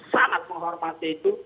sangat menghormati itu